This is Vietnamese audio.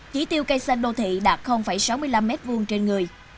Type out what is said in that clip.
chỉ tiêu cây xanh đô thị đạt sáu mươi năm mét vuông trên người